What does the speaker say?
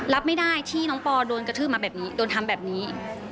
รับไม่ได้ที่น้องปอโดนกระทืบมาแบบนี้โดนทำแบบนี้